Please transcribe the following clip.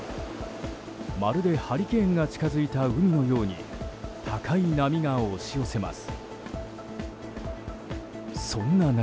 まるでハリケーンが近づいた海のように高い波が押し寄せます。